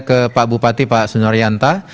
ke pak bupati pak sunaryanta